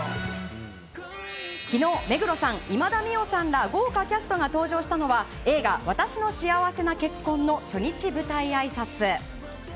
きのう、目黒さん、今田美桜さんら豪華キャストが登場したのは、映画、わたしの幸せな結婚の初日舞台あいさつ。